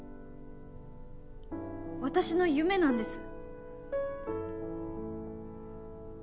私の夢なんです！